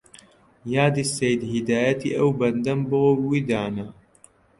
یادی سەید هیدایەتی ئەو بەندەم بۆ وی دانا